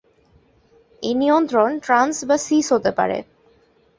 এই নিয়ন্ত্রণ ট্রান্স বা সিস হতে পারে।